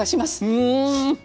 うん！